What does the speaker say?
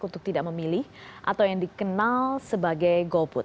untuk tidak memilih atau yang dikenal sebagai golput